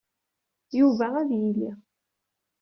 Yuba ad yili.